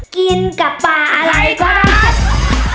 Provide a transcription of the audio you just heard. กินกับปลาอะไรก็ได้